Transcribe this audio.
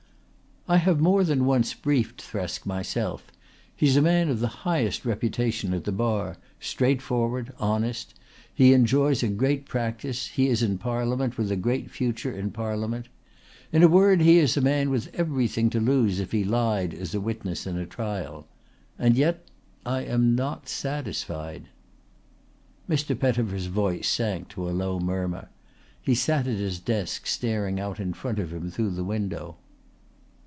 "I have more than once briefed Thresk myself. He's a man of the highest reputation at the Bar, straightforward, honest; he enjoys a great practice, he is in Parliament with a great future in Parliament. In a word he is a man with everything to lose if he lied as a witness in a trial. And yet I am not satisfied." Mr. Pettifer's voice sank to a low murmur. He sat at his desk staring out in front of him through the window.